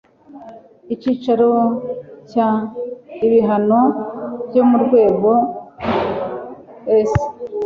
Icyiciro cya Ibihano byo mu rwego S